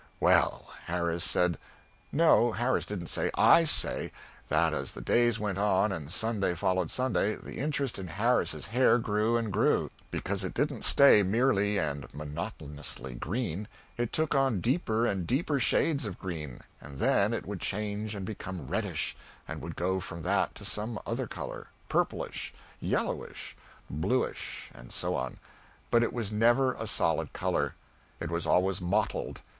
Well, Harris said no, Harris didn't say, I say, that as the days went on and Sunday followed Sunday, the interest in Harris's hair grew and grew; because it didn't stay merely and monotonously green, it took on deeper and deeper shades of green; and then it would change and become reddish, and would go from that to some other color purplish, yellowish, bluish, and so on but it was never a solid color. It was always mottled.